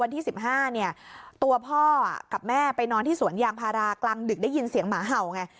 วันที่๑๕เนี่ยตัวพ่อกับแม่ไปนอนที่สวนยางพารากลางดึกได้ยินเสียงหมาเห่าไง